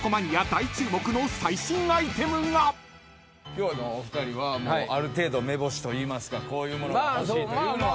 今日はお二人はある程度めぼしといいますかこういうものが欲しいというのは。